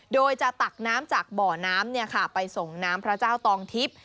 โดยจะตักน้ำจากบ่อน้ำไปส่งน้ำพระเจ้าตองทิพย์